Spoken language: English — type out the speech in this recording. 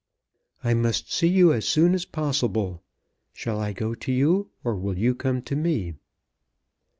"I must see you as soon as possible. Shall I go to you, or will you come to me?"